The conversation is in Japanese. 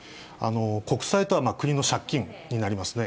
国債とは国の借金になりますね。